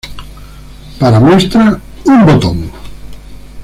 Para muestra, un botón